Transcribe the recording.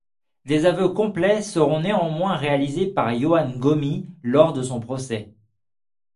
Des aveux complets seront néanmoins réalisés par Yoan Gomis lors de son procès.